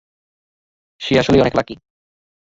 সে আসলেই অনেক লাকী!